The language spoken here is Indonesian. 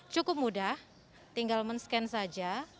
cukup mudah tinggal men scan saja